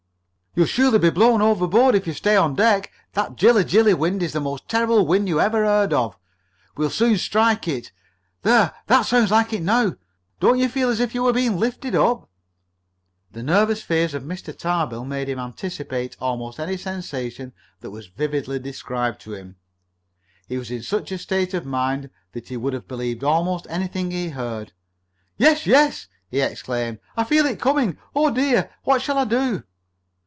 "You'll surely be blown overboard if you stay on deck. That Jilla Jilly wind is the most terrible wind you ever heard of! We'll soon strike it! There, that sounds like it now! Don't you feel as if you were being lifted up?" The nervous fears of Mr. Tarbill made him anticipate almost any sensation that was vividly described to him. He was in such a state of mind that he would have believed almost anything he heard. "Yes! Yes!" he exclaimed. "I feel it coming! Oh, dear! What shall I do?"